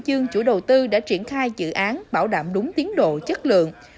tuy nhiên chủ đầu tư đã triển khai dự án bảo đảm đúng tiến độ chất lượng